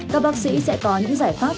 các bác sĩ sẽ có những giải pháp